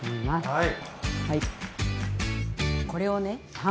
はい。